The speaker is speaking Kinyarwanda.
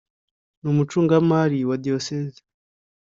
n umucungamari wa Diyoseze